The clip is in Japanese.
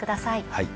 はい。